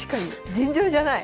尋常じゃない！